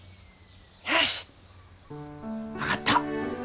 よし分かった。